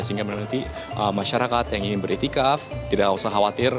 sehingga menanti masyarakat yang ingin beritikaf tidak usah khawatir